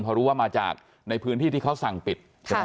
เพราะรู้ว่ามาจากในพื้นที่ที่เขาสั่งปิด